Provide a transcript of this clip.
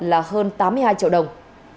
là hơn tám mươi hai triệu đồng